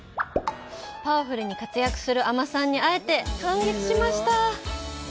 パワフルに活躍する海女さんに会えて、感激しました！